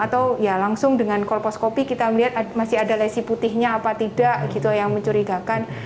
atau ya langsung dengan kolposcopy kita melihat masih ada lesi putihnya apa tidak gitu yang mencurigakan